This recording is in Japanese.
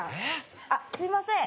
あっすいません。